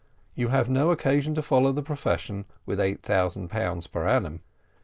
You have no occasion to follow the profession with eight thousand pounds per annum.